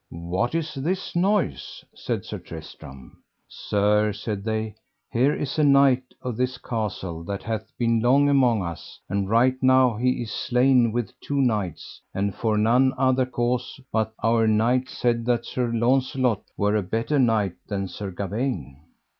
What is this noise? said Sir Tristram. Sir, said they, here is a knight of this castle that hath been long among us, and right now he is slain with two knights, and for none other cause but that our knight said that Sir Launcelot were a better knight than Sir Gawaine.